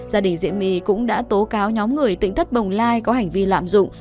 gia đình diệm my cũng đã tố cáo nhóm người tỉnh thất bồng lai có hành vi lạm dụng